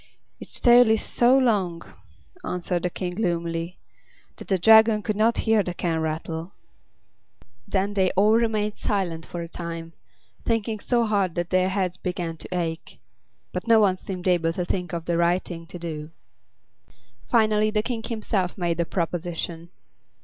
"Its tail is so long," answered the King, gloomily, "that the Dragon could not hear the can rattle." Then they all remained silent for a time, thinking so hard that their heads began to ache; but no one seemed able to think of the right thing to do. Finally the King himself made a proposition.